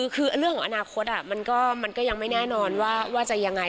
คือเรื่องของอนาคตมันก็ยังไม่แน่นอนว่าจะยังไง